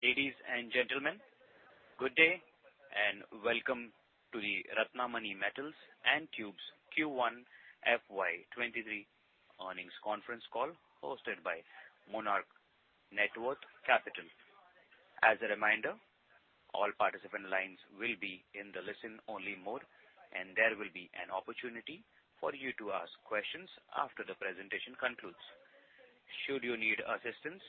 Ladies and gentlemen, good day, and welcome to the Ratnamani Metals & Tubes Q1 FY23 earnings conference call, hosted by Monarch Networth Capital. As a reminder, all participant lines will be in the listen-only mode, and there will be an opportunity for you to ask questions after the presentation concludes. Should you need assistance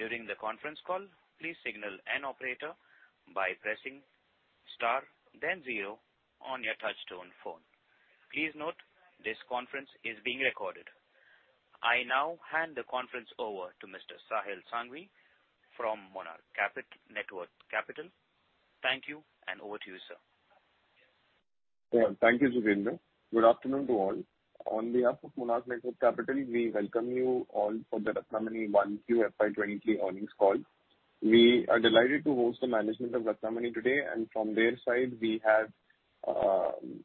during the conference call, please signal an operator by pressing star, then zero on your touchtone phone. Please note, this conference is being recorded. I now hand the conference over to Mr. Sahil Sanghvi from Monarch Networth Capital. Thank you, and over to you, sir. Well, thank you, Jitendra. Good afternoon to all. On behalf of Monarch Networth Capital, we welcome you all for the Ratnamani 1Q FY23 earnings call. We are delighted to host the management of Ratnamani today, and from their side, we have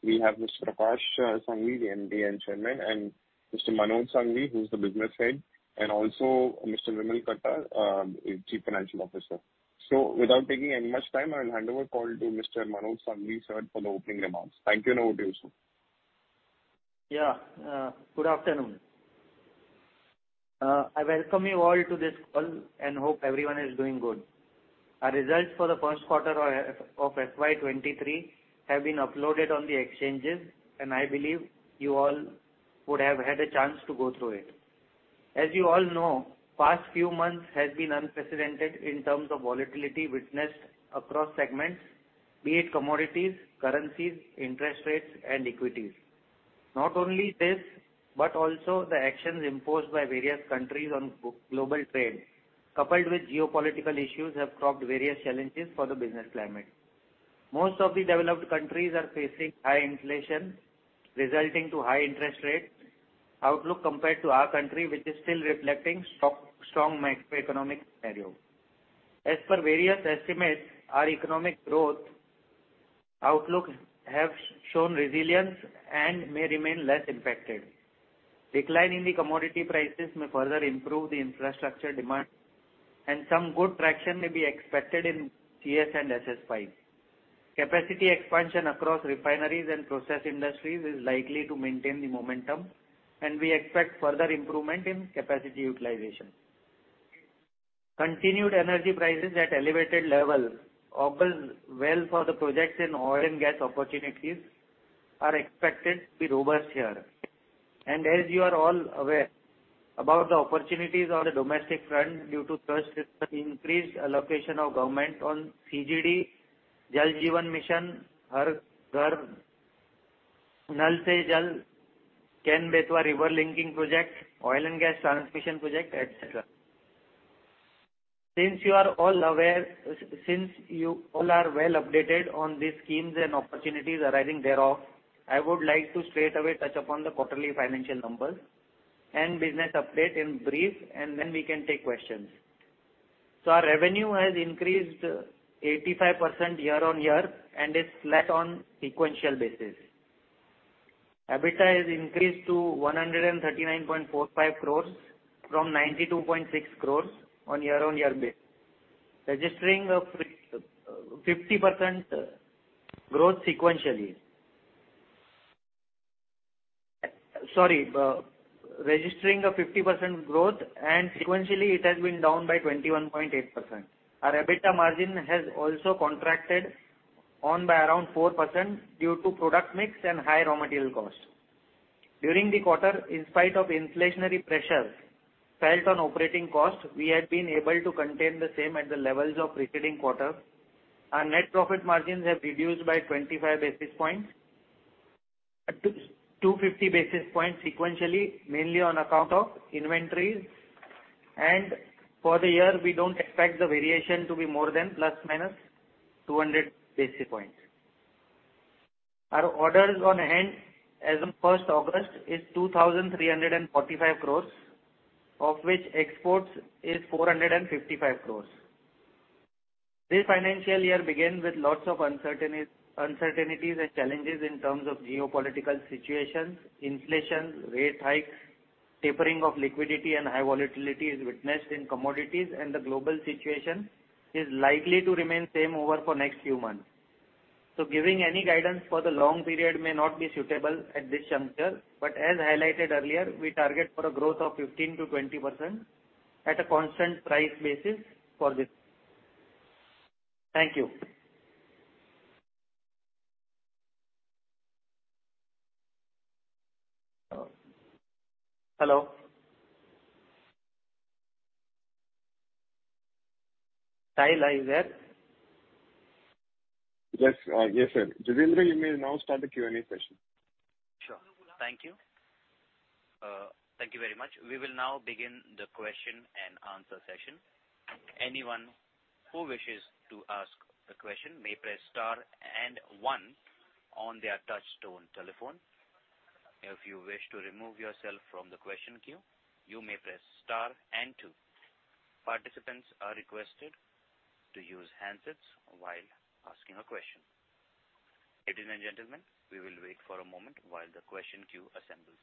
Mr. Prakash Sanghvi, the MD and Chairman, and Mr. Manoj Sanghvi, who's the business head, and also Mr. Vimal Katta, Chief Financial Officer. So without taking any much time, I'll hand over call to Mr. Manoj Sanghvi, sir, for the opening remarks. Thank you, and over to you, sir. Yeah, good afternoon. I welcome you all to this call and hope everyone is doing good. Our results for the first quarter of FY 2023 have been uploaded on the exchanges, and I believe you all would have had a chance to go through it. As you all know, past few months has been unprecedented in terms of volatility witnessed across segments, be it commodities, currencies, interest rates, and equities. Not only this, but also the actions imposed by various countries on global trade, coupled with geopolitical issues, have cropped various challenges for the business climate. Most of the developed countries are facing high inflation, resulting to high interest rates outlook compared to our country, which is still reflecting strong, strong macroeconomic scenario. As per various estimates, our economic growth outlook have shown resilience and may remain less impacted. Decline in the commodity prices may further improve the infrastructure demand, and some good traction may be expected in CS and SS pipes. Capacity expansion across refineries and process industries is likely to maintain the momentum, and we expect further improvement in capacity utilization. Continued energy prices at elevated level augurs well for the projects in oil and gas. Opportunities are expected to be robust here. And as you are all aware about the opportunities on the domestic front due to increased allocation of government on CGD, Jal Jeevan Mission, Har Ghar Nal Se Jal, Ken-Betwa River Linking Project, oil and gas transmission project, et cetera. Since you are all aware... since you all are well updated on these schemes and opportunities arising thereof, I would like to straightaway touch upon the quarterly financial numbers and business update in brief, and then we can take questions. Our revenue has increased 85% year-on-year and is flat on sequential basis. EBITDA has increased to 139.45 crore, from 92.6 crore on year-on-year basis, registering a 50% growth, and sequentially, it has been down by 21.8%. Our EBITDA margin has also contracted by around 4% due to product mix and high raw material costs. During the quarter, in spite of inflationary pressures felt on operating costs, we have been able to contain the same at the levels of preceding quarter. Our net profit margins have reduced by 250 basis points sequentially, mainly on account of inventories. And for the year, we don't expect the variation to be more than ±200 basis points. Our orders on hand as of August 1 is 2,345 crore, of which exports is 455 crore. This financial year began with lots of uncertainties and challenges in terms of geopolitical situations, inflation, rate hikes, tapering of liquidity and high volatility is witnessed in commodities, and the global situation is likely to remain same over for next few months. So giving any guidance for the long period may not be suitable at this juncture, but as highlighted earlier, we target for a growth of 15%-20% at a constant price basis for this. Thank you. Hello? Sahil, are you there? Yes, yes, sir. Jitendra, you may now start the Q&A session. Sure. Thank you. Thank you very much. We will now begin the question and answer session. Anyone who wishes to ask a question may press star and one on their touchtone telephone. If you wish to remove yourself from the question queue, you may press star and two. Participants are requested to use handsets while asking a question. Ladies and gentlemen, we will wait for a moment while the question queue assembles.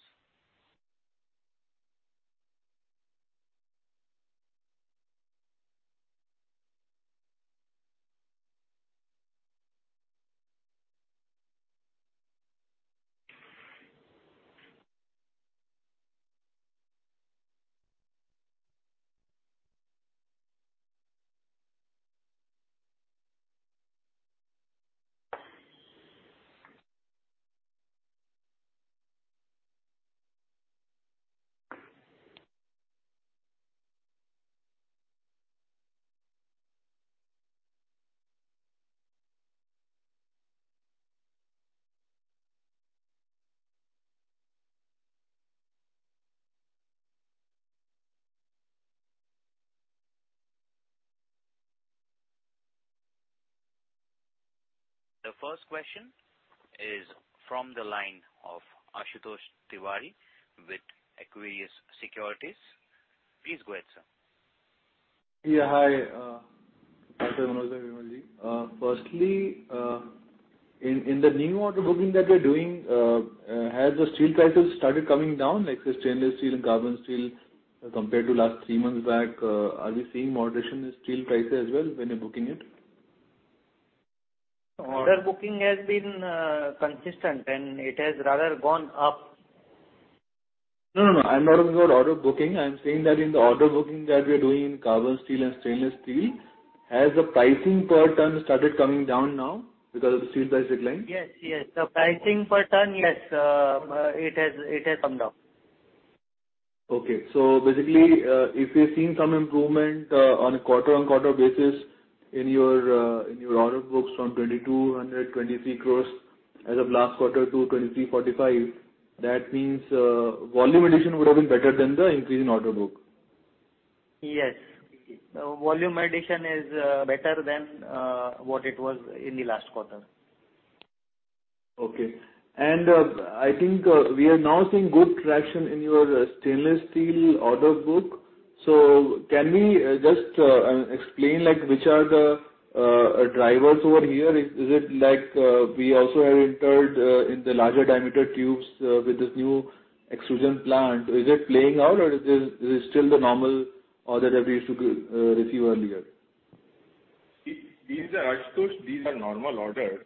The first question is from the line of Ashutosh Tiwari with Equirus Securities. Please go ahead, sir. Yeah, hi, firstly, in the new order booking that you're doing, has the steel prices started coming down, like the stainless steel and carbon steel, compared to last three months back? Are we seeing moderation in steel prices as well when you're booking it? Order booking has been consistent, and it has rather gone up. No, no, no, I'm not talking about order booking. I'm saying that in the order booking that we are doing in carbon steel and stainless steel, has the pricing per ton started coming down now because of the steel price decline? Yes, yes. The pricing per ton, yes, it has, it has come down. Okay. Basically, if you're seeing some improvement on a quarter-on-quarter basis in your order books from 2,200 crore-2,300 crore as of last quarter to 2,345 crore, that means volume addition would have been better than the increase in order book. Yes. The volume addition is better than what it was in the last quarter. Okay. And, I think, we are now seeing good traction in your stainless steel order book. So can we, just, explain, like, which are the drivers over here? Is it like, we also have entered, in the larger diameter tubes, with this new extrusion plant? Is it playing out, or is this still the normal order that we used to, receive earlier? These are our stores. These are normal order.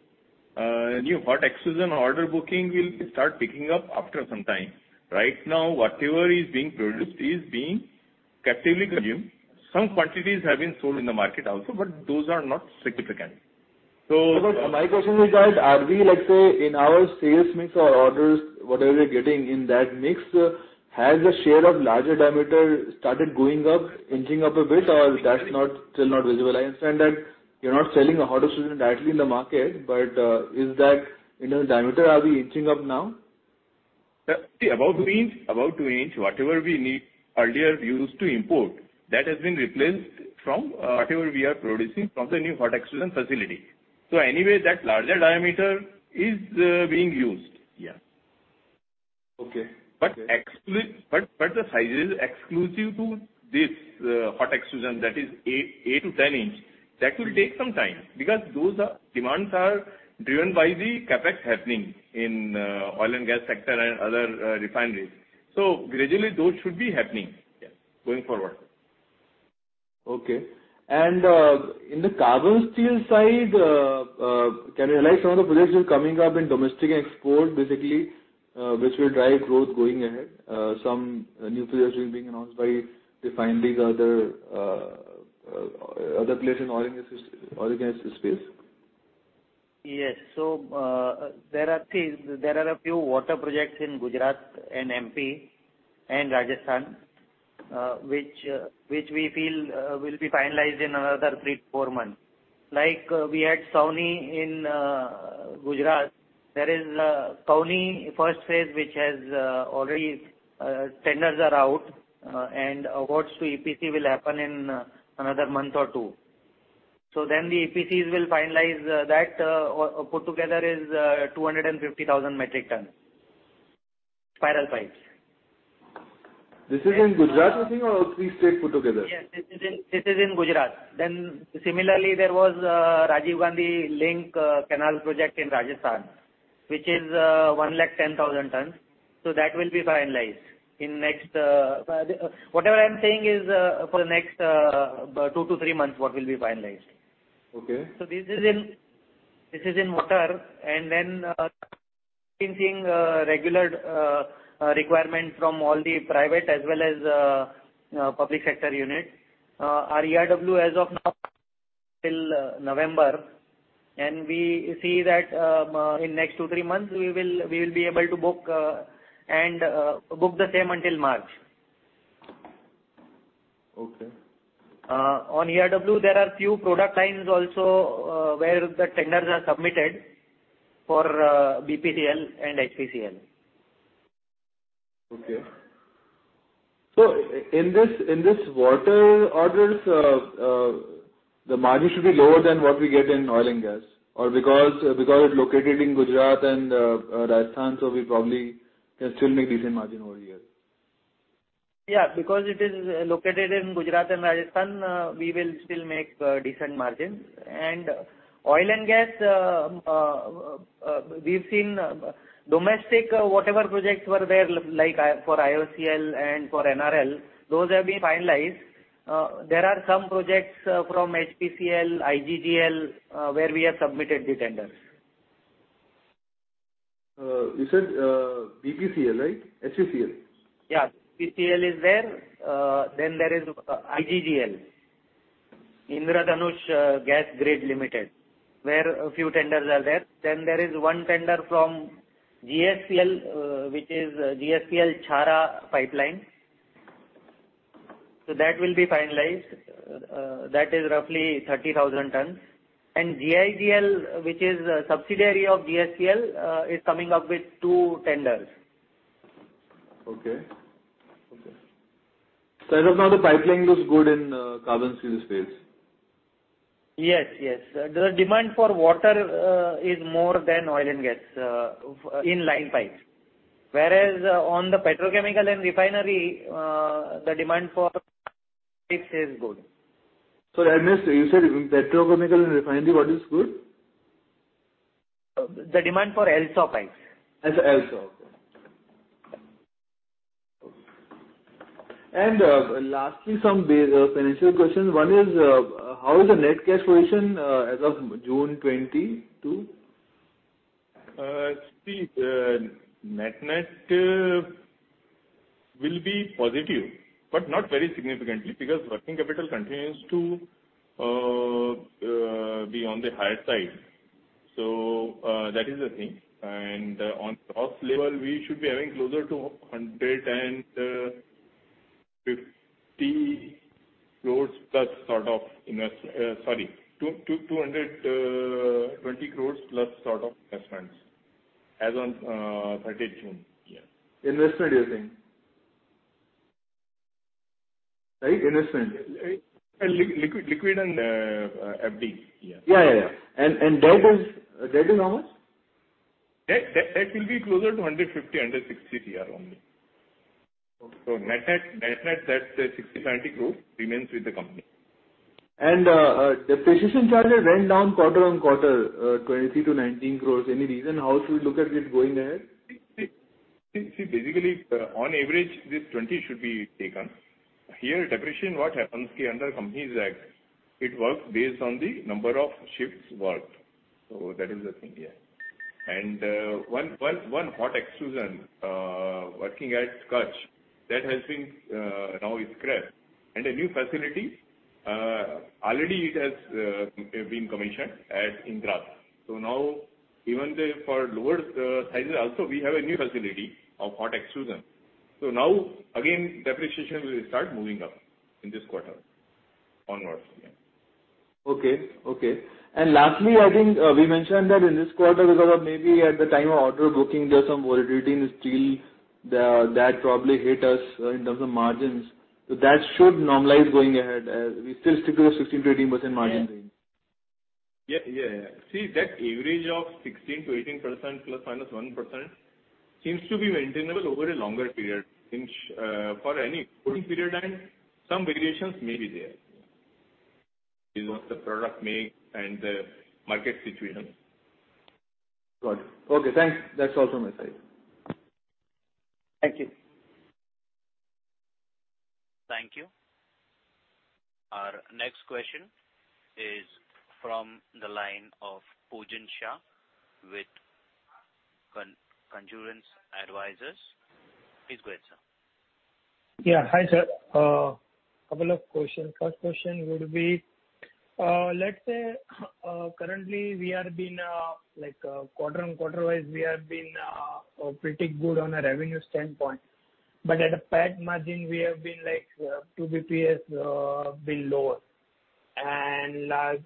New hot extrusion order booking will start picking up after some time. Right now, whatever is being produced is being captively consumed. Some quantities have been sold in the market also, but those are not significant. So my question is that, are we, let's say, in our sales mix or orders, whatever we're getting in that mix, has the share of larger diameter started going up, inching up a bit, or that's not, still not visible? I understand that you're not selling a hot extrusion directly in the market, but, is that in the diameter, are we inching up now? About 2 in, about 2 in. Whatever we need earlier we used to import, that has been replaced from whatever we are producing from the new hot extrusion facility. So anyway, that larger diameter is being used. Yeah. Okay. But the size is exclusive to this hot extrusion, that is 8 in-10 in. That will take some time, because those demands are driven by the CapEx happening in oil and gas sector and other refineries. So gradually, those should be happening, yeah, going forward. Okay. In the carbon steel side, can you realize some of the projects coming up in domestic export, basically, which will drive growth going ahead? Some new projects being announced by refineries, the other players in oil and gas, oil and gas space. Yes. There are a few water projects in Gujarat and MP and Rajasthan, which we feel will be finalized in another three-four months. Like, we had SAUNI in Gujarat. There is SAUNI first phase, which has already tenders are out, and awards to EPC will happen in another month or two. So then the EPCs will finalize that, put together is 250,000 metric tons, spiral pipes. This is in Gujarat or three states put together? Yes, this is in, this is in Gujarat. Then similarly, there was Rajiv Gandhi Lift Canal Project in Rajasthan, which is 110,000 tons. So that will be finalized in next. Whatever I'm saying is for the next two to three months, what will be finalized. Okay. So this is in water. This is in water. And then, we've been seeing regular requirement from all the private as well as public sector unit. Our ERW as of now, till November, and we see that, in next two to three months, we will, we will be able to book, and, book the same until March. Okay. On ERW, there are few product lines also, where the tenders are submitted for BPCL and HPCL. Okay. So in this water orders, the margin should be lower than what we get in oil and gas, or because it's located in Gujarat and Rajasthan, so we probably can still make decent margin over here? Yeah, because it is located in Gujarat and Rajasthan, we will still make decent margins. And oil and gas, we've seen domestic, whatever projects were there, like for IOCL and for NRL, those have been finalized. There are some projects from HPCL, IGGL, where we have submitted the tenders. You said, BPCL, right? HPCL. Yeah, BPCL is there. Then there is IGGL, Indradhanush Gas Grid Limited, where a few tenders are there. Then there is one tender from GSPL, which is GSPL Chhara Pipeline. So that will be finalized. That is roughly 30,000 tons. And GIGL, which is a subsidiary of GSPL, is coming up with two tenders. Okay. Okay. So as of now, the pipeline looks good in carbon steel space? Yes, yes. The demand for water is more than oil and gas in line pipes. Whereas on the petrochemical and refinery, the demand for pipes is good. So that means, you said petrochemical and refinery, what is good? The demand for LSAW pipes. Okay. And, lastly, some financial questions. One is, how is the net cash position, as of June 22, 2022? See, net-net will be positive, but not very significantly, because working capital continues to be on the higher side. So, that is the thing. On cost level, we should be having closer to 150 crore plus sort of invest- sorry, 220 crore plus sort of investments as on 30th June. Yeah. Investment, you're saying? Right, investment. Liquid, liquid and, FD. Yeah. Yeah, yeah, yeah. And debt is how much? Debt will be closer to 150 crore-160 crore only. So net, that's 60 crore-90 crore remains with the company. The precision charter went down quarter-over-quarter, 20 crore-19 crore. Any reason? How should we look at it going ahead? See, basically, on average, this 20 should be taken. Here, depreciation, what happens under Companies Act, it works based on the number of shifts worked. So that is the thing, yeah. And, one hot extrusion working at Kutch, that has been now scrapped. And a new facility already it has been commissioned at Indrad. So now even for lower sizes also, we have a new facility of hot extrusion. So now again, depreciation will start moving up in this quarter onwards. Yeah. Okay, okay. And lastly, I think we mentioned that in this quarter, because of maybe at the time of order booking, there are some volatility in steel, that probably hit us in terms of margins. So that should normalize going ahead. We still stick to the 16%-18% margin range. Yeah. Yeah, yeah, yeah. See, that average of 16%-18% ±1% seems to be maintainable over a longer period, which, for any booking period time, some variations may be there. Depends on the product mix and the market situation. Got it. Okay, thanks. That's all from my side. Thank you. Thank you. Our next question is from the line of Pujan Shah with Congruence Advisers. Please go ahead, sir. Yeah, hi, sir. Couple of questions. First question would be, let's say, currently we are being, like, quarter-over-quarter-wise, we have been pretty good on a revenue standpoint, but at a PAT margin, we have been like, two basis points below.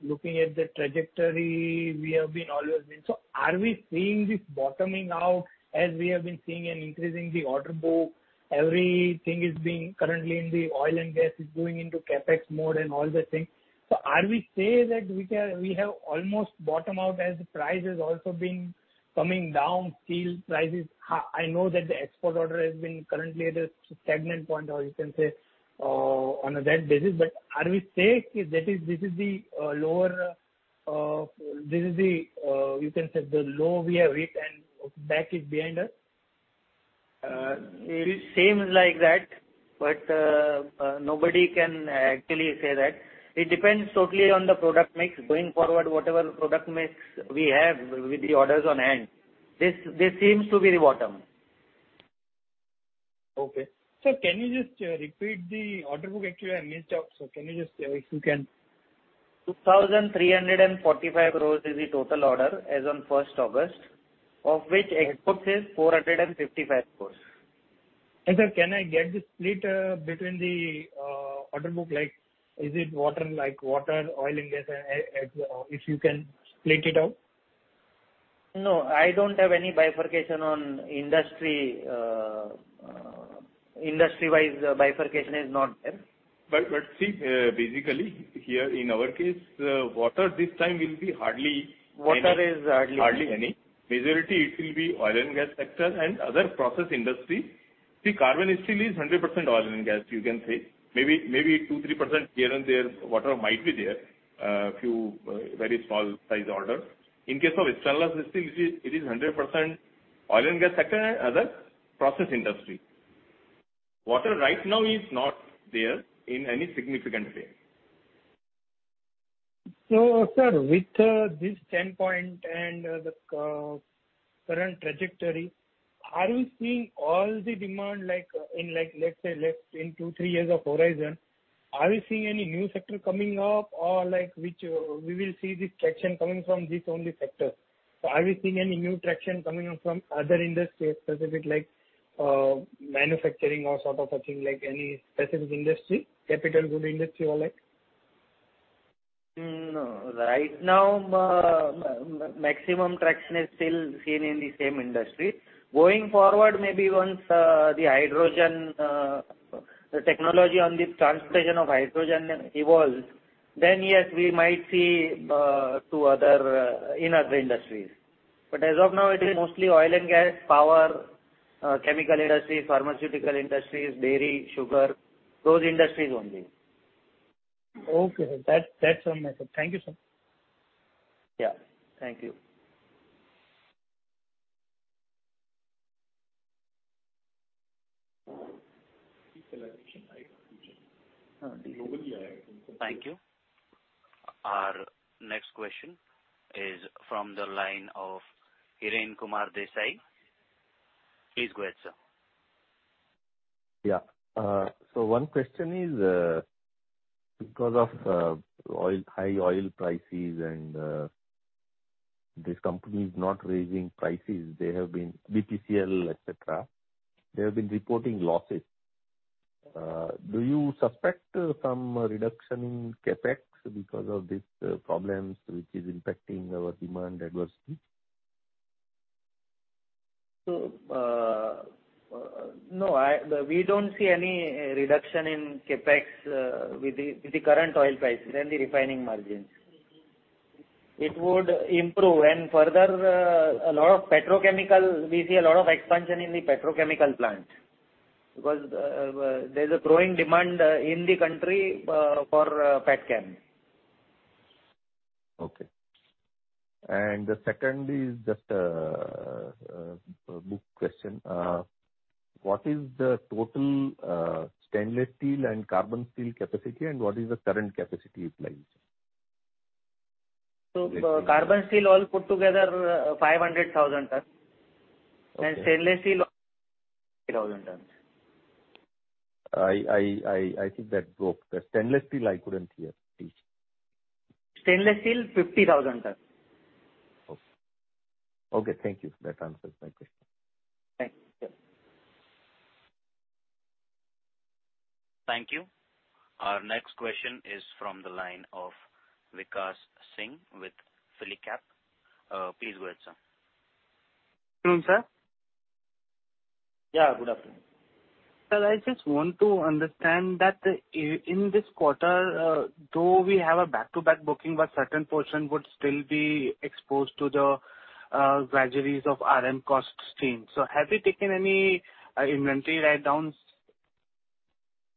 Looking at the trajectory, we have been always been... So are we seeing this bottoming out as we have been seeing an increase in the order book, everything is being currently in the oil and gas, is going into CapEx mode and all that thing. So are we safe that we can- we have almost bottom out as the price is also being coming down, steel prices? I know that the export order has been currently at a stagnant point or you can say, on that basis, but are we safe? That is, this is the low we have reached and that is behind us? It seems like that, but nobody can actually say that. It depends totally on the product mix. Going forward, whatever product mix we have with the orders on hand, this seems to be the bottom. Okay. Sir, can you just repeat the order book? Actually, I missed out, so can you just if you can? 2,345 crore is the total order as on 1st August, of which exports is 455 crore. Sir, can I get the split between the order book? Like, is it water, like water, oil and gas, if you can split it out. No, I don't have any bifurcation on industry, industry-wise bifurcation is not there. But see, basically, here in our case, water this time will be hardly- Water is hardly- Hardly any. Majority, it will be oil and gas sector and other process industry. See, carbon steel is 100% oil and gas, you can say. Maybe, maybe 2%-3% here and there, water might be there, few, very small size order. In case of stainless steel, it's still, it is 100%-... oil and gas sector and other process industry. Water right now is not there in any significant way. Sir, with this standpoint and the current trajectory, are you seeing all the demand, like, in, like, let's say, like, in two to three years horizon, are we seeing any new sector coming up or, like, which we will see the traction coming from this only sector? Are we seeing any new traction coming up from other industries, specific like, manufacturing or sort of a thing like any specific industry, capital goods industry or like? No. Right now, maximum traction is still seen in the same industry. Going forward, maybe once the hydrogen the technology on the transportation of hydrogen evolves, then yes, we might see to other in other industries. But as of now, it is mostly oil and gas, power, chemical industry, pharmaceutical industries, dairy, sugar, those industries only. Okay. That's, that's all, my sir. Thank you, sir. Yeah. Thank you. Thank you. Our next question is from the line of Hiren Kumar Desai. Please go ahead, sir. Yeah. So one question is, because of oil high oil prices and this company is not raising prices, they have been, BPCL, et cetera. They have been reporting losses. Do you suspect some reduction in CapEx because of these problems, which is impacting our demand adversely? So, no. We don't see any reduction in CapEx with the current oil prices and the refining margins. It would improve, and further, a lot of petrochemical. We see a lot of expansion in the petrochemical plant, because there's a growing demand in the country for petchem. Okay. And the second is just a book question. What is the total stainless steel and carbon steel capacity, and what is the current capacity utilized? So carbon steel all put together, 500,000 tons. Okay. Stainless steel, 1,000 tons. I think that broke. The stainless steel, I couldn't hear, please. Stainless steel, 50,000 tons. Okay. Okay, thank you. That answers my question. Thank you, sir. Thank you. Our next question is from the line of Vikash Singh with Philly Cap. Please go ahead, sir. Good morning, sir. Yeah, good afternoon. Sir, I just want to understand that in this quarter, though we have a back-to-back booking, but certain portion would still be exposed to the volatilities of RM cost stream. So have you taken any inventory write-downs?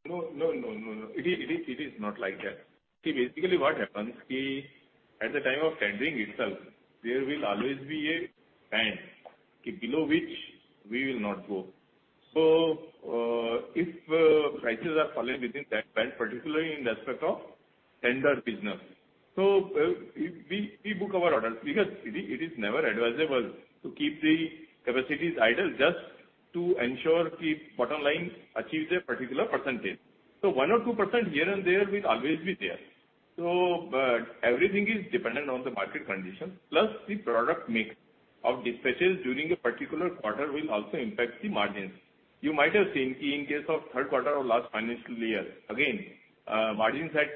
No, no, no, no, no. It is not like that. See, basically, what happens is, at the time of tendering itself, there will always be a time below which we will not go. So, if prices are falling within that band, particularly in the aspect of tender business. So, we book our orders because it is never advisable to keep the capacities idle just to ensure the bottom line achieves a particular percentage. So 1% or 2% here and there will always be there. So, everything is dependent on the market conditions, plus the product mix of dispatches during a particular quarter will also impact the margins. You might have seen in case of third quarter of last financial year, again, margins had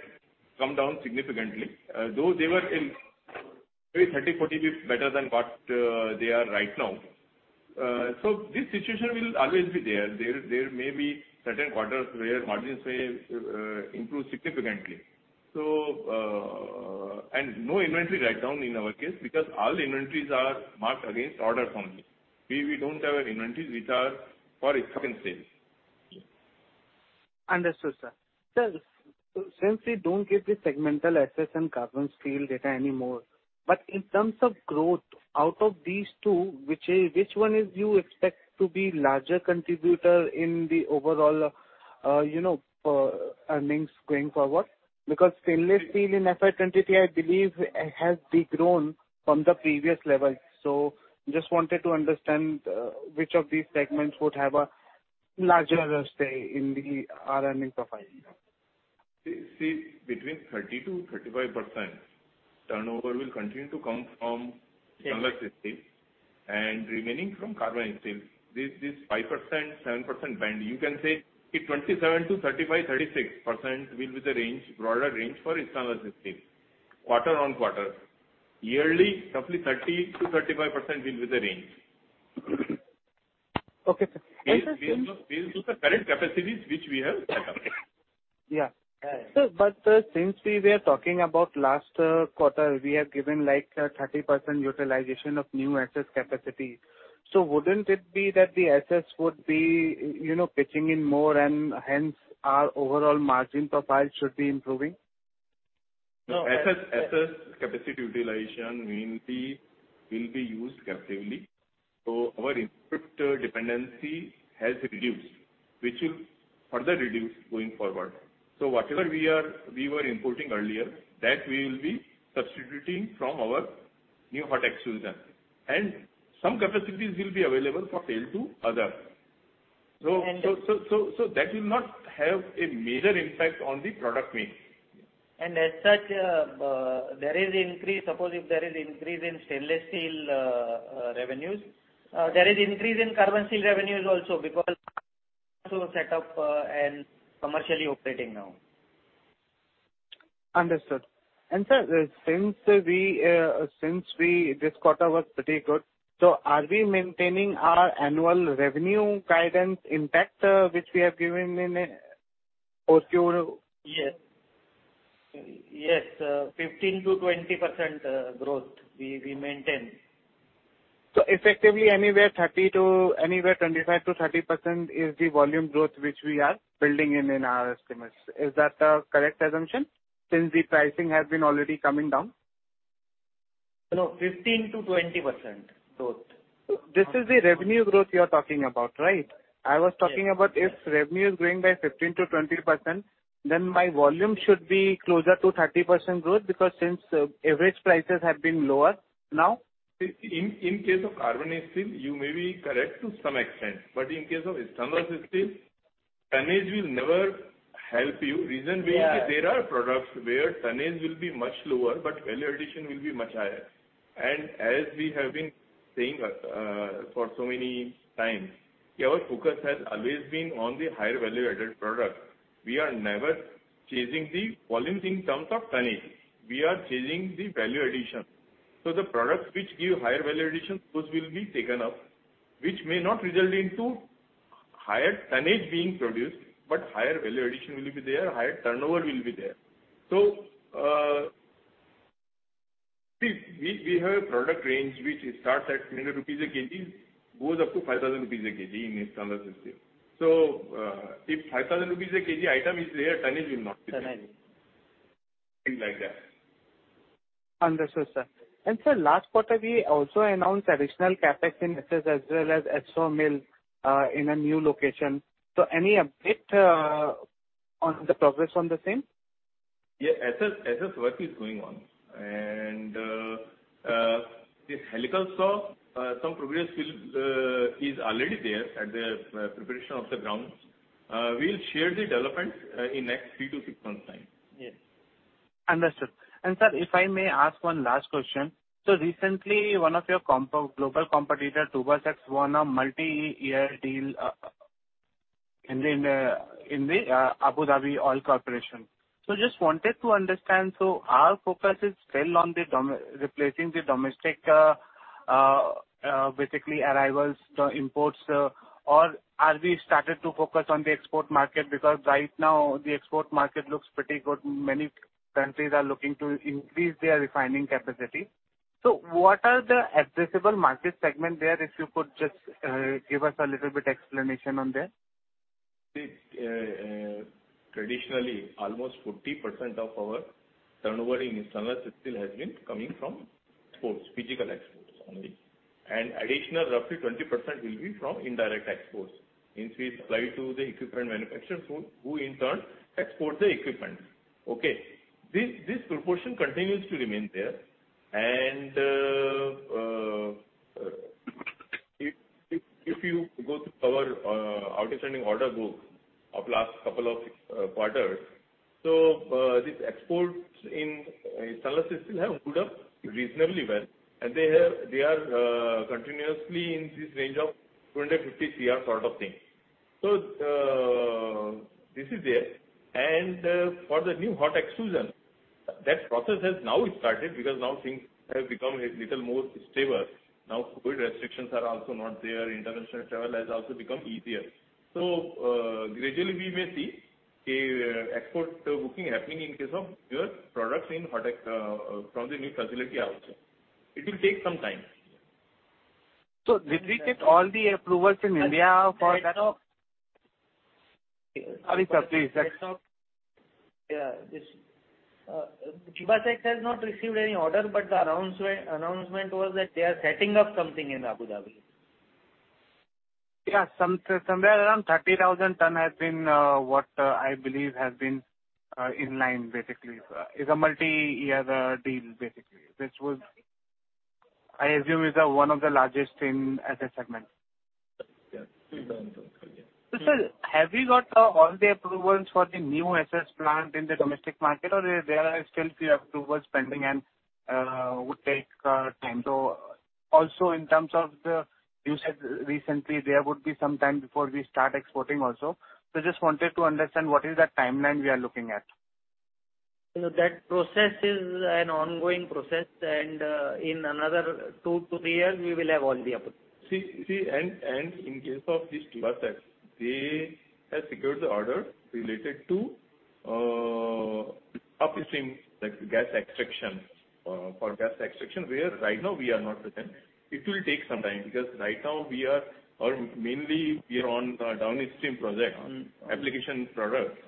come down significantly, though they were in maybe 30-40 bits better than what they are right now. So this situation will always be there. There may be certain quarters where margins may improve significantly. And no inventory write-down in our case, because all the inventories are marked against orders only. We don't have any inventories which are for stock and sales. Understood, sir. Sir, since we don't get the segmental assets and carbon steel data anymore, but in terms of growth, out of these two, which one is you expect to be larger contributor in the overall, you know, earnings going forward? Because stainless steel in FY 2023, I believe, has de-grown from the previous level. So just wanted to understand, which of these segments would have a larger say in the, earnings profile. See, between 30%-35% turnover will continue to come from stainless steel, and remaining from carbon steel. This 5%, 7% band, you can say 27%-35%, 36% will be the range, broader range for stainless steel, quarter-on-quarter. Yearly, roughly 30%-35% will be the range. Okay, sir. These are the current capacities which we have set up. Yeah. So but, since we were talking about last quarter, we have given, like, 30% utilization of new excess capacity. So wouldn't it be that the assets would be, you know, pitching in more and hence our overall margin profile should be improving? ... No, SS, SS capacity utilization mainly will be used captively, so our input dependency has reduced, which will further reduce going forward. So whatever we were importing earlier, that we will be substituting from our new hot extrusion. And some capacities will be available for sale to others. So that will not have a major impact on the product mix. As such, there is increase. Suppose if there is increase in stainless steel revenues, there is increase in carbon steel revenues also, because also set up and commercially operating now. Understood. And sir, since this quarter was pretty good, so are we maintaining our annual revenue guidance impact, which we have given in our previous? Yes. Yes, 15%-20% growth we maintain. So effectively, anywhere 30 to anywhere 25%-30% is the volume growth which we are building in, in our estimates. Is that a correct assumption, since the pricing has been already coming down? No, 15%-20% growth. This is the revenue growth you are talking about, right? Yes. I was talking about if revenue is growing by 15%-20%, then my volume should be closer to 30% growth, because since average prices have been lower now. In case of carbon steel, you may be correct to some extent, but in case of stainless steel, tonnage will never help you. Yeah. Reason being, that there are products where tonnage will be much lower, but value addition will be much higher. And as we have been saying, for so many times, our focus has always been on the higher value-added product. We are never chasing the volumes in terms of tonnage, we are chasing the value addition. So the products which give higher value addition, those will be taken up, which may not result into higher tonnage being produced, but higher value addition will be there, higher turnover will be there. So, we have a product range which starts at 300 rupees a kg, goes up to 5,000 rupees a kg in stainless steel. So, if 5,000 rupees a kg item is there, tonnage will not be there. Tonnage. Things like that. Understood, sir. And sir, last quarter we also announced additional CapEx in SS, as well as HSAW mill, in a new location. So any update on the progress on the same? Yeah, SS, SS work is going on, and the helical SAW some progress is already there at the preparation of the grounds. We'll share the development in next three to six months time. Yes. Understood. And sir, if I may ask one last question: so recently, one of your global competitor, Tubacex, won a multi-year deal in the Abu Dhabi Oil Corporation. So just wanted to understand, so our focus is still on replacing the domestic, basically arrivals, the imports, or are we started to focus on the export market? Because right now, the export market looks pretty good. Many countries are looking to increase their refining capacity. So what are the addressable market segment there, if you could just give us a little bit explanation on that? Traditionally, almost 40% of our turnover in stainless steel has been coming from exports, physical exports only. Additional, roughly 20% will be from indirect exports. Since we supply to the equipment manufacturer, so who in turn export the equipment. Okay. This proportion continues to remain there. And, if you go through our outstanding order book of last couple of quarters, so, this exports in stainless steel have moved up reasonably well, and they are continuously in this range of 250 crore sort of thing. So, this is there. And, for the new hot extrusion, that process has now started because now things have become a little more stable. Now, COVID restrictions are also not there, international travel has also become easier. Gradually we may see an export booking happening in case of your products in hot extrusion from the new facility out. It will take some time. Did we get all the approvals in India for that? Right now- Sorry, sir, please. Yeah, this Tubacex has not received any order, but the announcement was that they are setting up something in Abu Dhabi. Yeah, somewhere around 30,000 tons has been, I believe, in line basically. It's a multi-year deal, basically, which would... I assume is one of the largest in SS segment. Yes. So sir, have you got all the approvals for the new SS plant in the domestic market, or there are still few approvals pending and would take time? So also in terms of the, you said recently there would be some time before we start exporting also. So just wanted to understand what is the timeline we are looking at. You know, that process is an ongoing process, and in another two to three years, we will have all the approval. In case of this Tubacex, they have secured the order related to upstream, like gas extraction for gas extraction, where right now we are not present. It will take some time, because right now we are, or mainly we are on the downstream project, application products.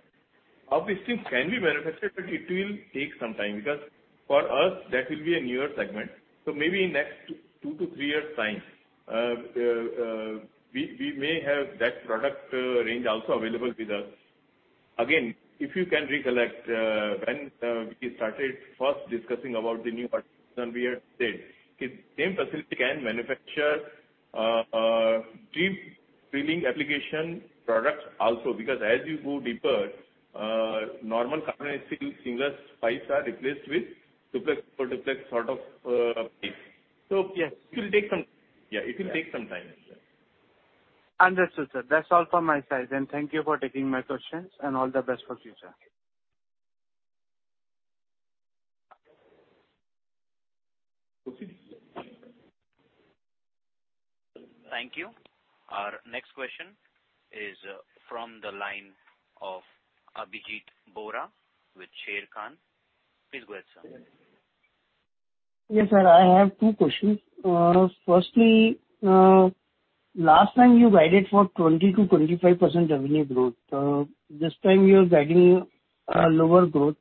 Obviously, it can be manufactured, but it will take some time, because for us, that will be a newer segment. So maybe in next two to three years' time, we may have that product range also available with us. Again, if you can recollect, when we started first discussing about the new partnership, we had said, the same facility can manufacture deep drilling application products also, because as you go deeper, normal carbon steel seamless pipes are replaced with duplex quadruplex sort of thing. Yes, it will take some... Yeah, it will take some time. Understood, sir. That's all from my side, and thank you for taking my questions, and all the best for future. Okay. Thank you. Our next question is from the line of Abhijeet Bora with Sharekhan. Please go ahead, sir. Yes, sir, I have two questions. Firstly, last time you guided for 20%-25% revenue growth. This time you are guiding a lower growth.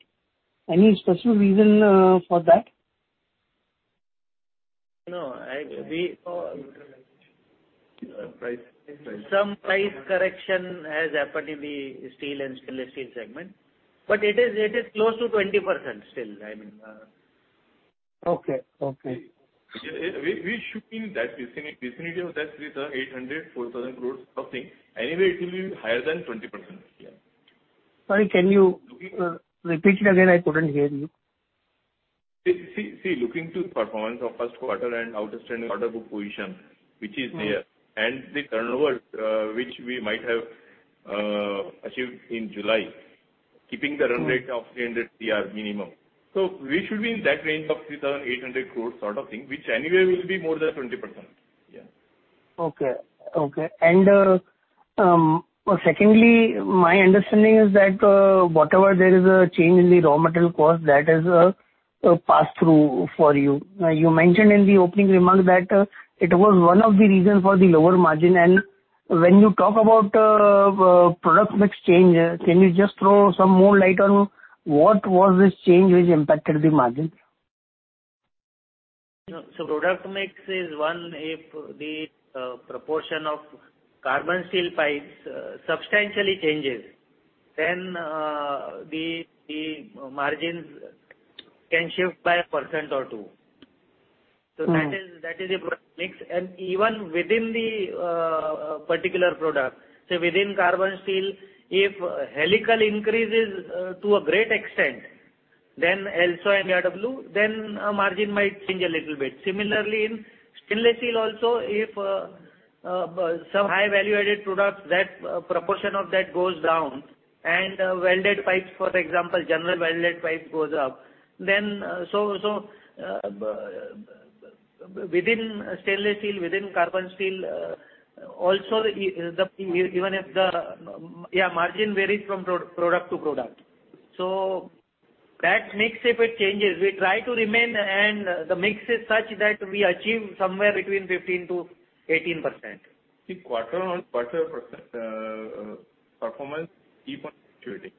Any special reason for that? No, I, we- Price. Some price correction has happened in the steel and stainless steel segment, but it is, it is close to 20% still, I mean. Okay. Okay. We should be in that vicinity of that with 800 crore-4,000 crore of thing. Anyway, it will be higher than 20%. Yeah. Sorry, can you repeat it again? I couldn't hear you. See, see, looking to the performance of first quarter and outstanding order book position, which is there, and the turnover, which we might have achieved in July, keeping the run rate of 300 crore minimum. So we should be in that range of 3,800 crores sort of thing, which anyway will be more than 20%. Yeah. Okay. Okay. And, secondly, my understanding is that, whatever there is a change in the raw material cost, that is a pass-through for you. Now, you mentioned in the opening remarks that, it was one of the reasons for the lower margin. And when you talk about, product mix change, can you just throw some more light on what was this change which impacted the margin? No. So, product mix is one. If the proportion of carbon steel pipes substantially changes, then the margins can shift by 1% or 2%. Mm-hmm. So that is, that is the product mix. And even within the particular product, say, within carbon steel, if helical increases to a great extent, then L-SAW and ERW, then margin might change a little bit. Similarly, in stainless steel also, if some high value-added products, that proportion of that goes down and welded pipes, for example, general welded pipe goes up, then... So, within stainless steel, within carbon steel also, the even if the, yeah, margin varies from product to product. So that mix, if it changes, we try to remain, and the mix is such that we achieve somewhere between 15%-18%. The quarter-on-quarter percent performance keep on fluctuating.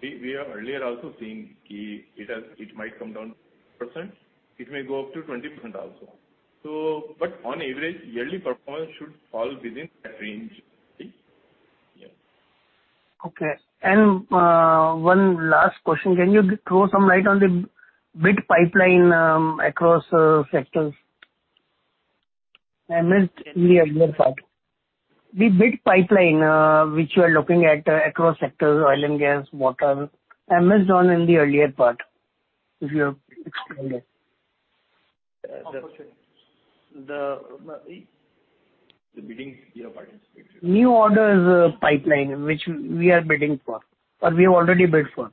We, we are earlier also seeing, it has, it might come down percent, it may go up to 20% also. So, but on average, yearly performance should fall within that range. Okay? Yeah. Okay. And, one last question: Can you throw some light on the bid pipeline, across sectors? I missed in the earlier part. The bid pipeline, which you are looking at across sectors, oil and gas, water. I missed on in the earlier part, if you have explained it. The- The bidding, yeah, pardon. New orders pipeline, which we are bidding for, or we have already bid for.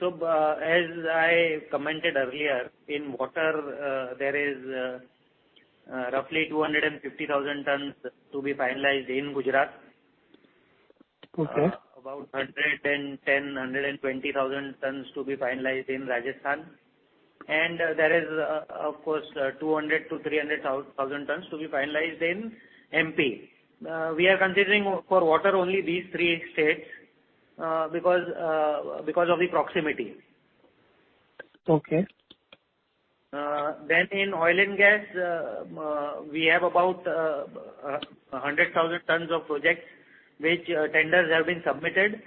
As I commented earlier, in water, there is roughly 250,000 tons to be finalized in Gujarat. Okay. About 110,000 tons-120,000 tons to be finalized in Rajasthan. And there is, of course, 200,000 tons-300,000 tons to be finalized in MP. We are considering for water only these three states, because of the proximity. Okay. Then in oil and gas, we have about 100,000 tons of projects which tenders have been submitted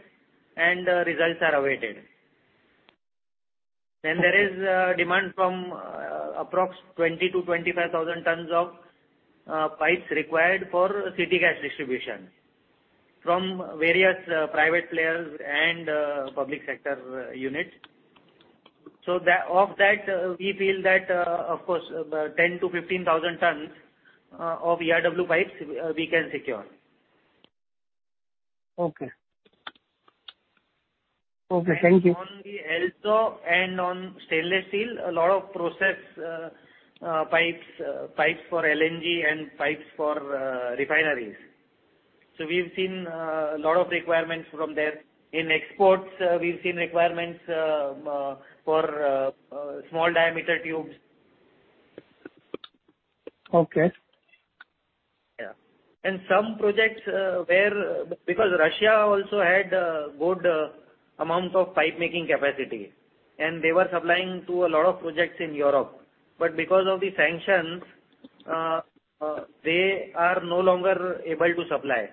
and results are awaited. Then there is demand from approx 20,000-25,000 tons of pipes required for city gas distribution from various private players and public sector units. So, of that, we feel that, of course, 10,000 tons-15,000 tons of ERW pipes we can secure. Okay. Okay, thank you. And on the oil and gas and on stainless steel, a lot of process pipes, pipes for LNG and pipes for refineries. So we've seen a lot of requirements from there. In exports, we've seen requirements for small diameter tubes. Okay. Yeah. Some projects, because Russia also had a good amount of pipe making capacity, and they were supplying to a lot of projects in Europe. But because of the sanctions, they are no longer able to supply.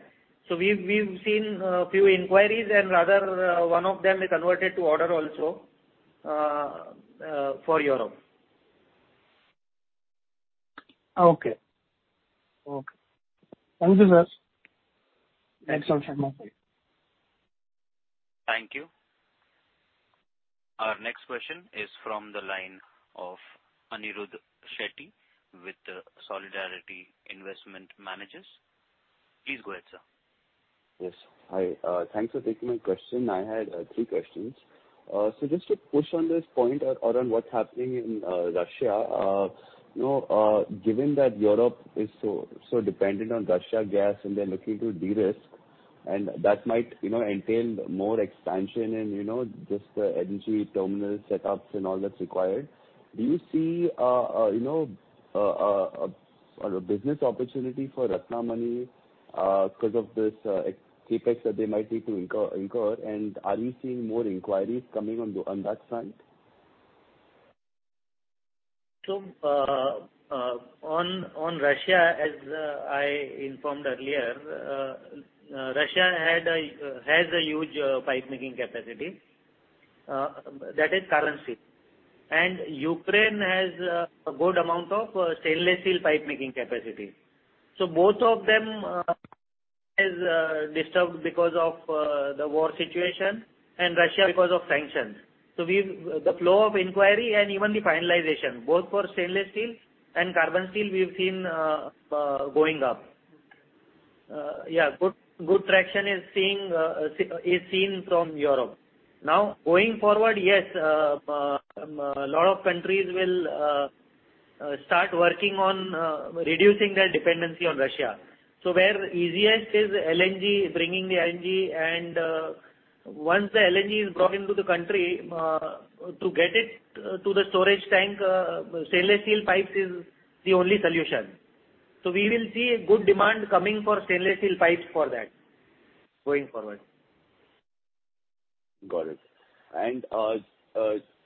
So we've seen a few inquiries, and rather, one of them is converted to order also, for Europe. Okay. Okay. Thank you, sir. Thanks also from my side. Thank you. Our next question is from the line of Anirudh Shetty with Solidarity Investment Managers. Please go ahead, sir. Yes. Hi, thanks for taking my question. I had three questions. So just to push on this point or on what's happening in Russia, you know, given that Europe is so dependent on Russia gas and they're looking to de-risk, and that might, you know, entail more expansion and, you know, just the LNG terminal setups and all that's required. Do you see, you know, a business opportunity for Ratnamani, because of this CapEx that they might need to incur? And are you seeing more inquiries coming on to on that front? So, on Russia, as I informed earlier, Russia has a huge pipe making capacity, that is carbon steel. And Ukraine has a good amount of stainless steel pipe making capacity. So both of them is disturbed because of the war situation and Russia because of sanctions. So, the flow of inquiry and even the finalization, both for stainless steel and carbon steel, we've seen going up. Yeah, good traction is seen from Europe. Now, going forward, yes, a lot of countries will start working on reducing their dependency on Russia. So where easiest is LNG, bringing the LNG and, once the LNG is brought into the country, to get it to the storage tank, stainless steel pipes is the only solution. So we will see a good demand coming for stainless steel pipes for that going forward. Got it. And,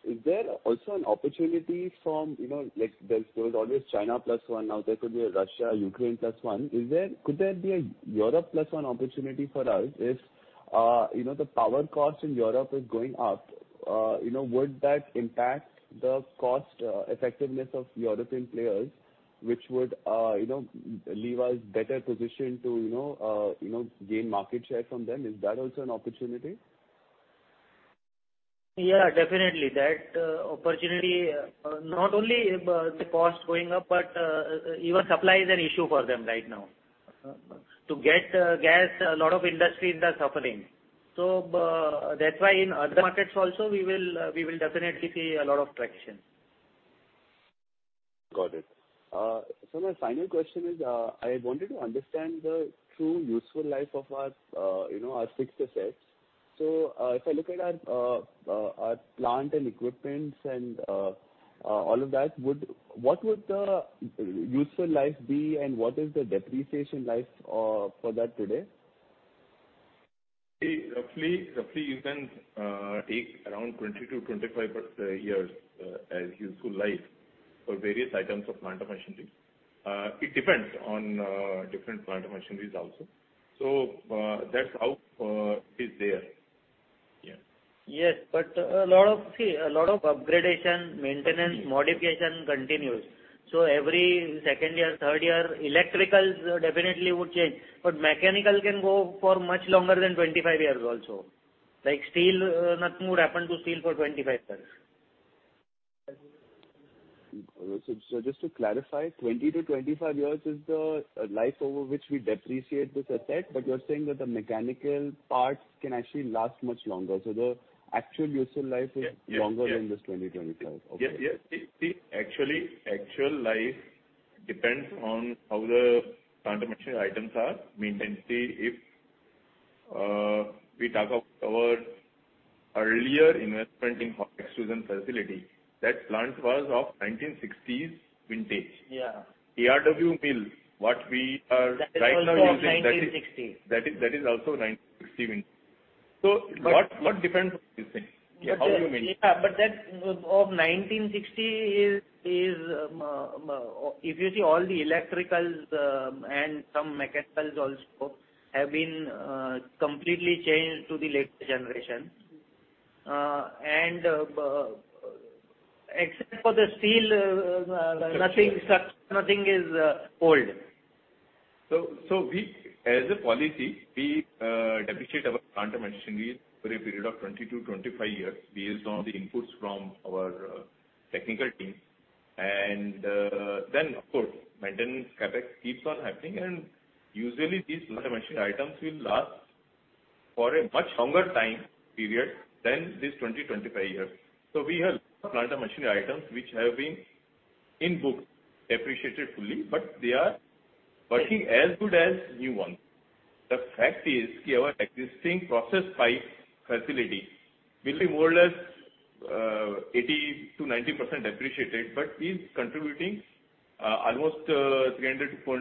is there also an opportunity from, you know, like, there's, there was always China plus one, now there could be a Russia, Ukraine plus one. Is there, could there be a Europe plus one opportunity for us if, you know, the power cost in Europe is going up, you know, would that impact the cost, effectiveness of European players, which would, you know, leave us better positioned to, you know, gain market share from them? Is that also an opportunity? Yeah, definitely. That opportunity, not only the cost going up, but even supply is an issue for them right now. To get gas, a lot of industries are suffering. So, that's why in other markets also, we will, we will definitely see a lot of traction. Got it. So my final question is, I wanted to understand the true useful life of our, you know, our fixed assets. So, if I look at our, our plant and equipment and, all of that, would... What would the useful life be, and what is the depreciation life for that today? Roughly, you can take around 20 to 25 years as useful life for various items of plant or machinery. It depends on different plant or machineries also. So, that's how it is there. Yeah. Yes, but a lot of, see, a lot of upgradation, maintenance, modification continues. So every second year, third year, electricals definitely would change, but mechanical can go for much longer than 25 years also. Like, steel, nothing would happen to steel for 25 years. So, just to clarify, 20 to 25 years is the life over which we depreciate this asset, but you're saying that the mechanical parts can actually last much longer, so the actual useful life- Yes. is longer than this 20 to 25? Yes, yes. See, actually, actual life depends on how the plant or machinery items are maintained. See, if we talk of our earlier investment in extrusion facility, that plant was of 1960s vintage. Yeah. ERW mill, what we are right now using- That is also 1960. That is also 1960 vintage. So what depends on what you're saying? How you mean? Yeah, but that of 1960 is, if you see all the electricals, and some mechanicals also have been completely changed to the latest generation. And, except for the steel, nothing is old. So, so we, as a policy, we, depreciate our plant or machinery for a period of 20 to 25 years based on the inputs from our, technical team. And, then, of course, maintenance CapEx keeps on happening, and usually these plant or machinery items will last for a much longer time period than this 20 to 25 years. So we have plant and machinery items which have been in books depreciated fully, but they are working as good as new ones. The fact is, our existing process pipe facility will be more or less, 80%-90% depreciated, but is contributing almost, 300 crore-400 crore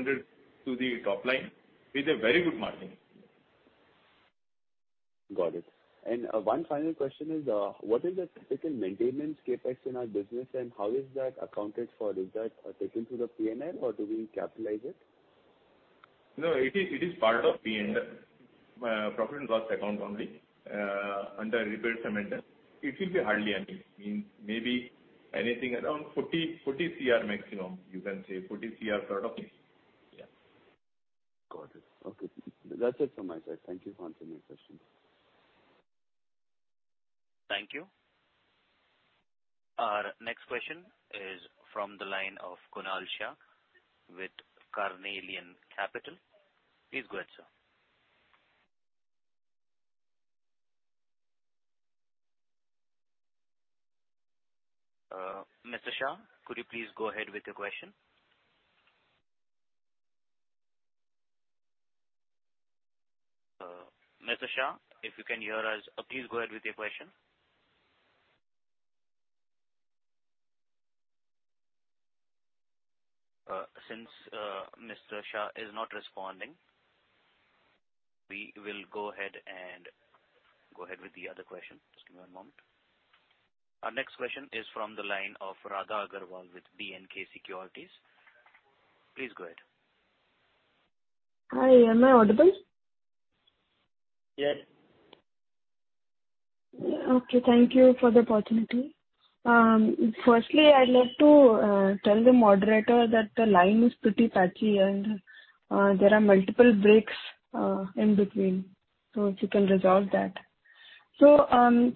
to the top line, is a very good margin. Got it. One final question is, what is the typical maintenance CapEx in our business, and how is that accounted for? Is that taken to the P&L or do we capitalize it? No, it is, it is part of P&L, profit and loss account only, under repairs and maintenance. It will be hardly anything, maybe anything around 40 crore, 40 crore maximum, you can say 40 crore sort of thing. Yeah. Got it. Okay. That's it from my side. Thank you for answering my questions. Thank you. Our next question is from the line of Kunal Shah with Carnelian Capital. Please go ahead, sir. Mr. Shah, could you please go ahead with your question? Mr. Shah, if you can hear us, please go ahead with your question. Since Mr. Shah is not responding, we will go ahead and go ahead with the other question. Just give me one moment. Our next question is from the line of Radha Agarwal with BNK Securities. Please go ahead. Hi, am I audible? Yes. Okay, thank you for the opportunity. Firstly, I'd like to tell the moderator that the line is pretty patchy, and there are multiple breaks in between, so if you can resolve that. So,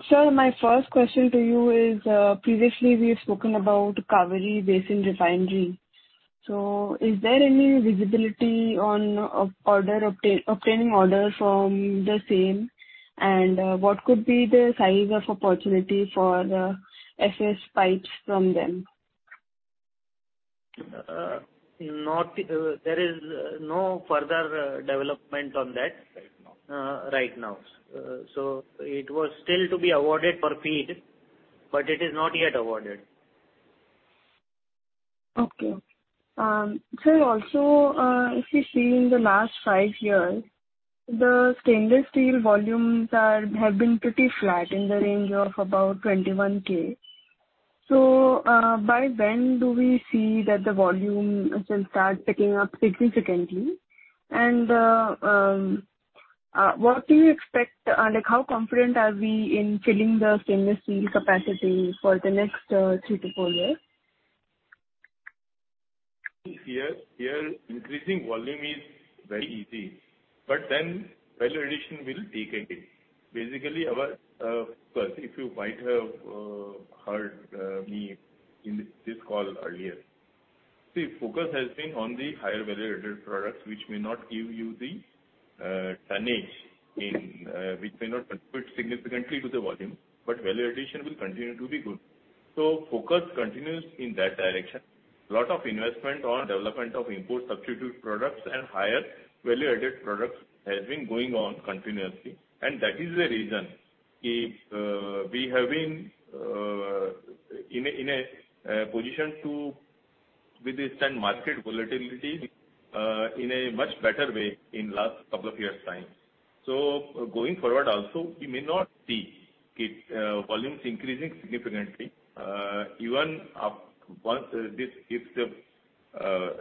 sir, my first question to you is, previously we have spoken about Cauvery Basin Refinery. So is there any visibility on obtaining orders from the same? And, what could be the size of opportunity for the SS pipes from them? Not... there is no further development on that. Right now. Right now. It was still to be awarded for feed, but it is not yet awarded. Okay. Sir, also, if you see in the last five years, the stainless steel volumes are, have been pretty flat in the range of about 21K. So, by when do we see that the volume will start picking up significantly? And, what do you expect, like, how confident are we in filling the stainless steel capacity for the next, thre to four years? Here, here, increasing volume is very easy, but then value addition will take it. Basically, first, if you might have heard me in this call earlier, the focus has been on the higher value-added products, which may not give you the tonnage in which may not contribute significantly to the volume, but value addition will continue to be good. So focus continues in that direction. Lot of investment on development of import substitute products and higher value-added products has been going on continuously. And that is the reason, if we have been in a position to withstand market volatility in a much better way in last couple of years' time. So going forward also, we may not see volumes increasing significantly, even up once this, if the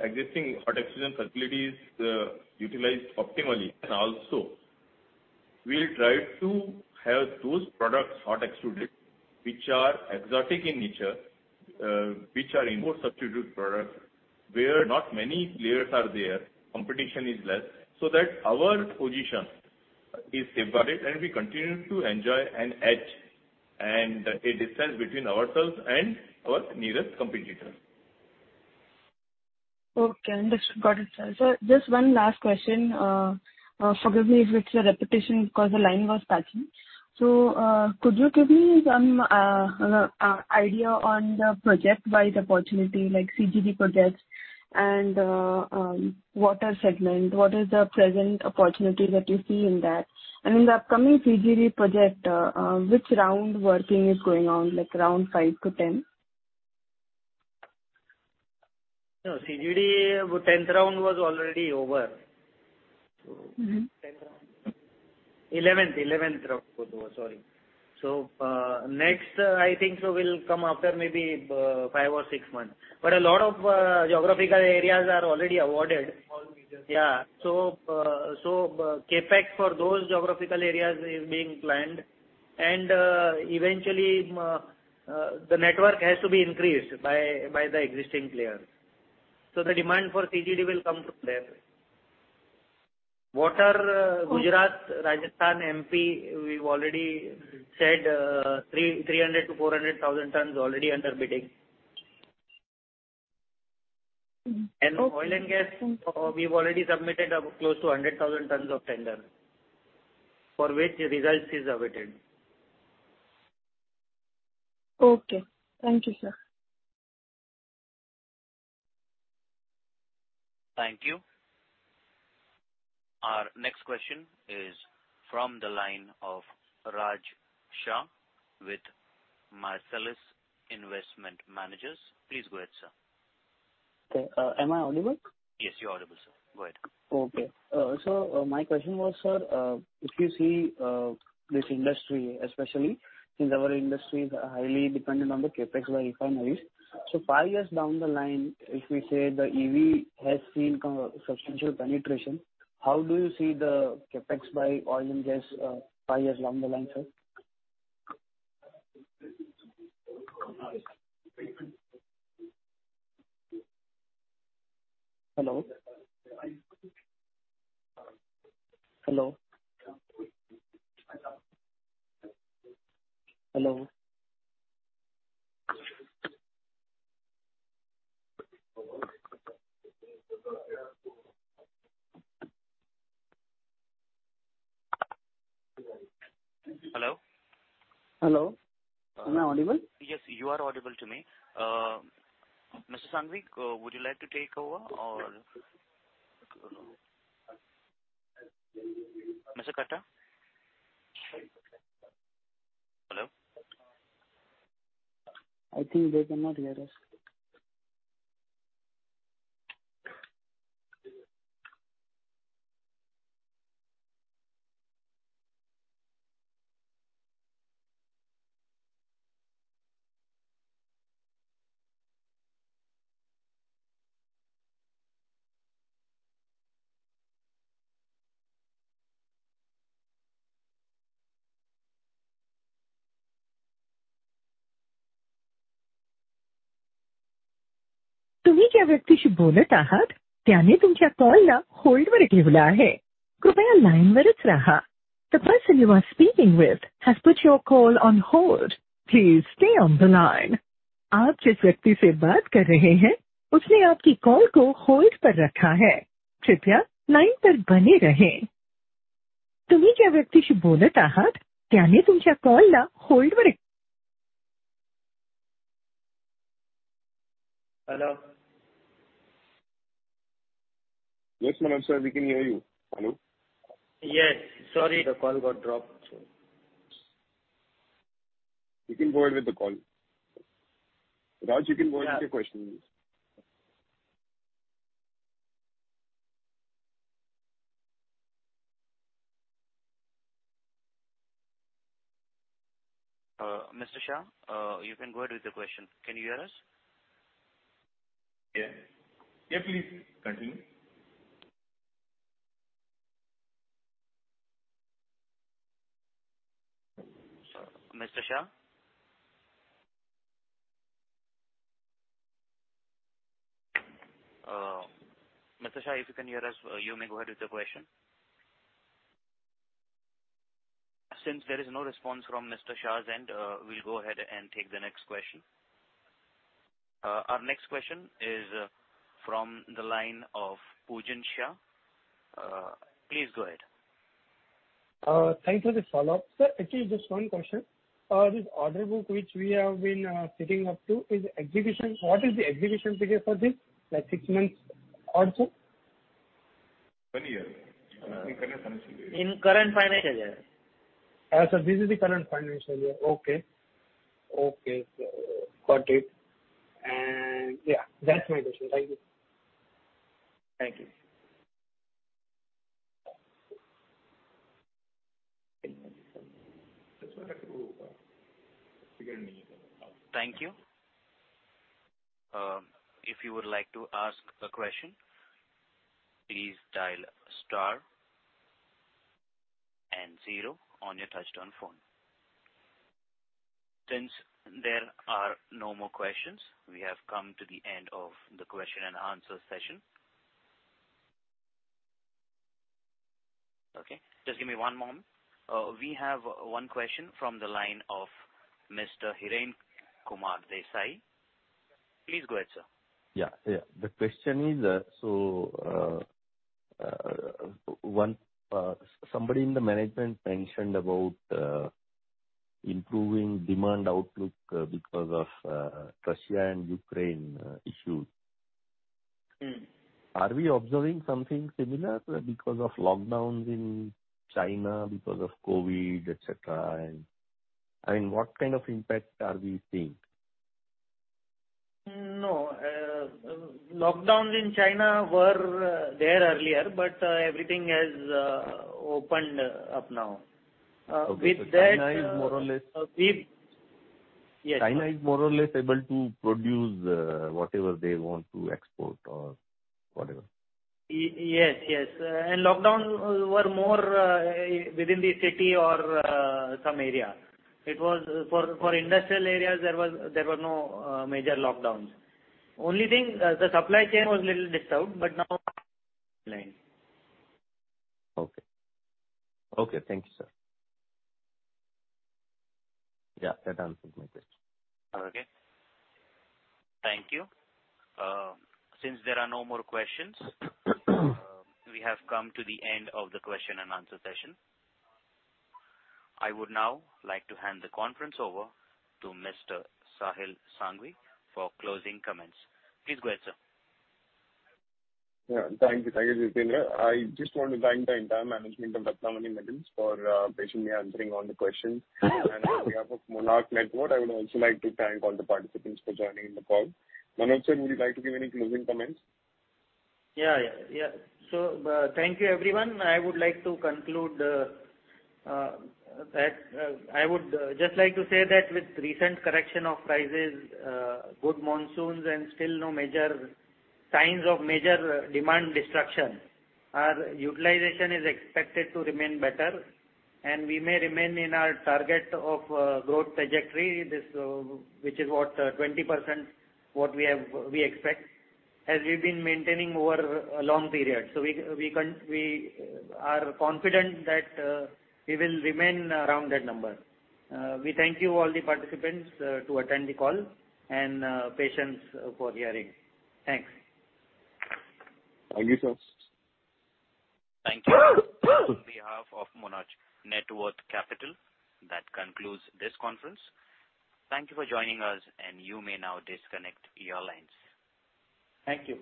existing hot induction facilities utilized optimally. And also, we will try to have those products hot extruded, which are exotic in nature, which are import substitute products, where not many players are there, competition is less, so that our position is safe and we continue to enjoy an edge and a distance between ourselves and our nearest competitors. Okay, understood. Got it, sir. So just one last question. Forgive me if it's a repetition, because the line was patchy. So, could you give me some idea on the project-wise opportunity, like CGD projects and water segment? What is the present opportunity that you see in that? And in the upcoming CGD project, which round working is going on, like round 5 to 10? No, CGD, 10th round was already over. Mm-hmm. Tenth round... 11th, 11th round, sorry. So, next, I think so will come after maybe, five or six months. But a lot of, geographical areas are already awarded. All regions. Yeah. So, CapEx for those geographical areas is being planned, and eventually, the network has to be increased by the existing players. So the demand for CGD will come from there. Water, Gujarat, Rajasthan, MP, we've already said, 300,000 tons-400,000 tons already under bidding... And oil and gas, we've already submitted close to 100,000 tons of tender, for which the results is awaited. Okay. Thank you, sir. Thank you. Our next question is from the line of Raj Shah with Marcellus Investment Managers. Please go ahead, sir. Okay. Am I audible? Yes, you're audible, sir. Go ahead. Okay. So, my question was, sir, if you see, this industry, especially since our industry is highly dependent on the CapEx by refineries, so five years down the line, if we say the EV has seen kind of substantial penetration, how do you see the CapEx by oil and gas, five years down the line, sir? Hello? Hello? Hello. Hello? Hello. Am I audible? Yes, you are audible to me. Mr. Sanghvi, would you like to take over or Mr. Katta? Hello. I think they cannot hear us. The person you are speaking with has put your call on hold. Please stay on the line. You are speaking with has put your call on hold. Please stay on the line. Hello. Yes, Manoj sir, we can hear you. Hello? Yes, sorry, the call got dropped. You can go ahead with the call. Raj, you can go ahead with your questions. Mr. Shah, you can go ahead with your question. Can you hear us? Yeah. Yeah, please continue. Mr. Shah? Mr. Shah, if you can hear us, you may go ahead with your question. Since there is no response from Mr. Shah's end, we'll go ahead and take the next question. Our next question is, from the line of Pujan Shah. Please go ahead. Thank you for the follow-up. Sir, actually, just one question. This order book which we have been setting up to, is execution... What is the execution figure for this? Like six months or so? One year. In current financial year. In current financial year. So this is the current financial year. Okay. Okay, so got it. Yeah, that's my question. Thank you. Thank you. Thank you. Thank you. If you would like to ask a question, please dial star and zero on your touch-tone phone. Since there are no more questions, we have come to the end of the question and answer session. Okay, just give me one moment. We have one question from the line of Mr. Hiren Kumar Desai. Please go ahead, sir. Yeah, yeah. The question is, so, one, somebody in the management mentioned about improving demand outlook because of Russia and Ukraine issues. Mm. Are we observing something similar because of lockdowns in China, because of COVID, et cetera? I mean, what kind of impact are we seeing? No, lockdowns in China were there earlier, but everything has opened up now. With that- Okay. China is more or less- Yes. China is more or less able to produce whatever they want to export or whatever. Yes, yes. And lockdowns were more within the city or some area. It was. For industrial areas, there was, there were no major lockdowns. Only thing, the supply chain was little disturbed, but now line. Okay. Okay, thank you, sir. Yeah, that answers my question. Okay. Thank you. Since there are no more questions, we have come to the end of the question and answer session. I would now like to hand the conference over to Mr. Sahil Sanghvi for closing comments. Please go ahead, sir. Yeah, thank you. Thank you, Jitendra. I just want to thank the entire management of Ratnamani Metals for patiently answering all the questions. And on behalf of Monarch Networth, I would also like to thank all the participants for joining the call. Manoj sir, would you like to give any closing comments? Yeah, yeah, yeah. So, thank you, everyone. I would like to conclude that I would just like to say that with recent correction of prices, good monsoons, and still no major signs of major demand destruction, our utilization is expected to remain better, and we may remain in our target of growth trajectory, this, which is what, 20%, what we have, we expect, as we've been maintaining over a long period. So we are confident that we will remain around that number. We thank you, all the participants, to attend the call and patience for hearing. Thanks. Thank you, sir. Thank you. On behalf of Monarch Networth Capital, that concludes this conference. Thank you for joining us, and you may now disconnect your lines. Thank you.